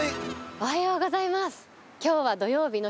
おはようございます。